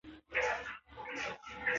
لمر د ځمکې لپاره رڼا او تودوخه برابروي